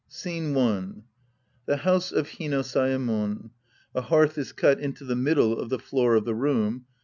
Scene I (77a? house of Hino Saemon. A hearth is cut iiito the middle of the floor of the room.